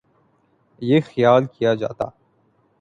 یہ خیال کیا جاتا